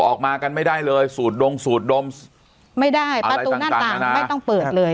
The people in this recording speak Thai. ออกมากันไม่ได้เลยสูดดงสูดดมไม่ได้ประตูหน้าต่างไม่ต้องเปิดเลย